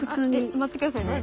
待って下さいね。